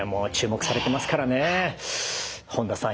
本田さん